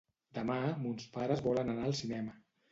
Demà mons pares volen anar al cinema.